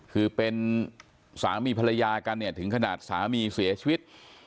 คือเป็นสามีภรรยากันเนี่ยถึงขนาดสามีเสียชีวิต